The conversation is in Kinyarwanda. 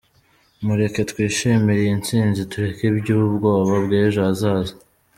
Mureke twishimire iyi ntsinzi tureke iby’ubwoba bw’ejo hazaza.